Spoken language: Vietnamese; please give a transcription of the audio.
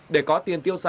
để có tiền tiêu sản